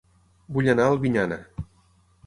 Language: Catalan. Vull anar a Albinyana